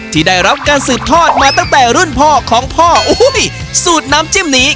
ที่ได้รับการสืบทอดมาตั้งแต่รุ่นพ่อของพ่อสูตรน้ำจิ้มนี้